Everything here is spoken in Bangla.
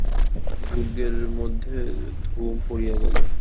দুর্গের মধ্যে ধুম পড়িয়া গেল।